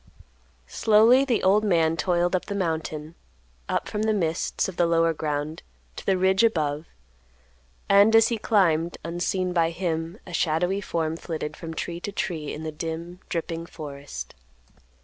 Slowly the old man toiled up the mountain; up from the mists of the lower ground to the ridge above; and, as he climbed, unseen by him, a shadowy form flitted from tree to tree in the dim, dripping forest.